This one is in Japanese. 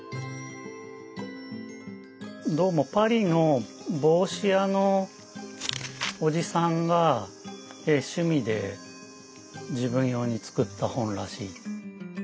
どうもパリの帽子屋のおじさんが趣味で自分用に作った本らしい。